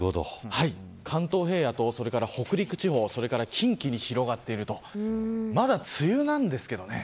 関東平野と北陸地方それから近畿に広がっているとまだ梅雨なんですけどね。